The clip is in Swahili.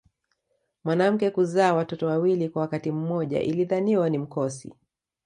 Mwanamke kuzaa watoto wawili kwa wakati mmoja ilidhaniwa ni mkosi